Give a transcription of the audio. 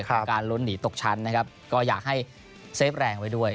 การลุ้นหนีตกชั้นนะครับก็อยากให้เซฟแรงไว้ด้วย